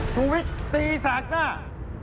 สุพิษตีสากหน้า